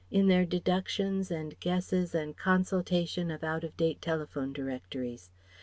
in their deductions and guesses and consultation of out of date telephone directories.